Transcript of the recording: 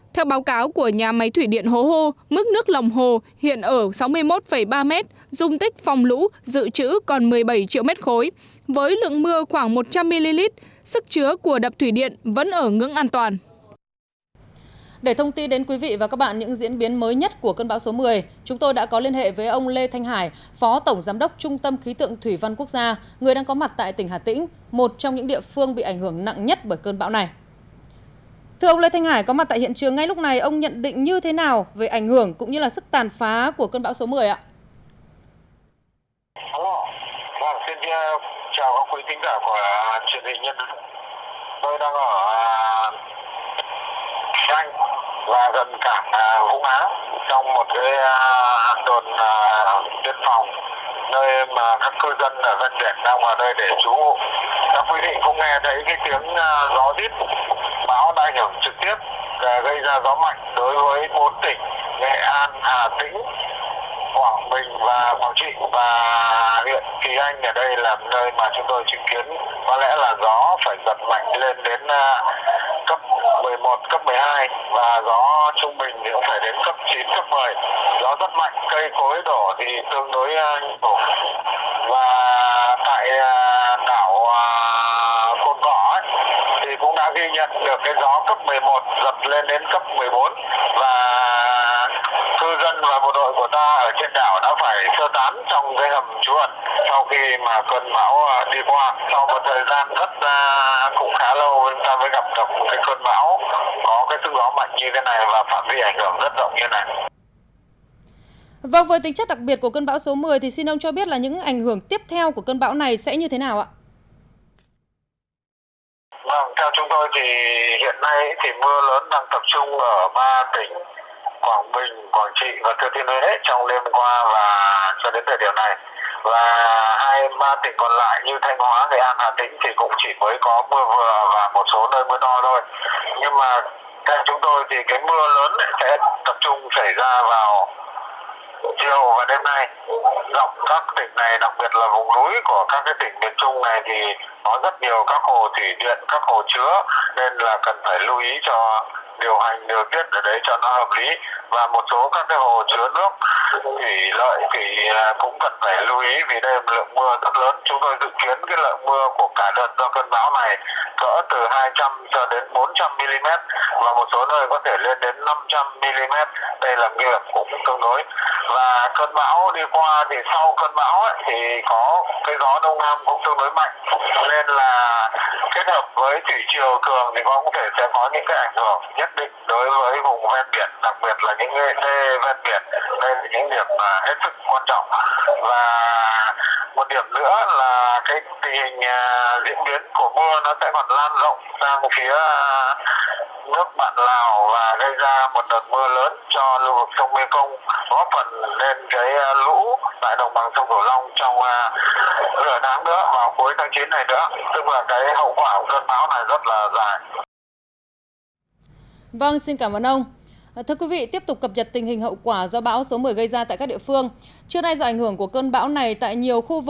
trước nay do ảnh hưởng của cơn bão này tại nhiều khu vực trên địa bàn tỉnh quảng trị đã có gió giật mạnh gây nhiều thiệt hại cho người dân